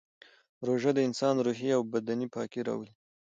روژه د انسان روحي او بدني پاکي راولي